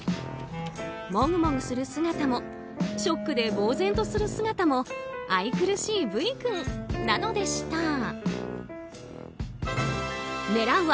もぐもぐする姿もショックでぼうぜんとする姿も愛くるしいＶ君なのでした。